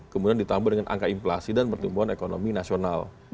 kemudian ditambah dengan angka inflasi dan pertumbuhan ekonomi nasional